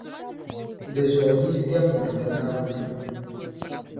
Dinzuɣu yi yi lԑbi biriti Naawuni.